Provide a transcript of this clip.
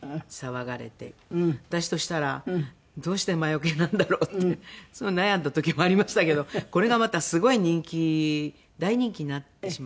私としたらどうして魔よけなんだろうってすごい悩んだ時もありましたけどこれがまたすごい人気大人気になってしまって。